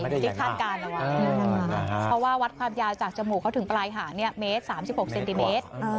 เพราะว่าวัดความยาจากจมูกเขาถึงปลายหา๓๖เซนติเมตร